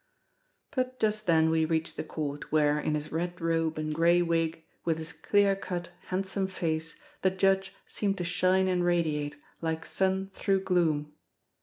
But just then we reached the Court, where, in his red robe and grey wig, with his clear cut, handsome face, the judge seemed to shine and radiate, like sun through gloom.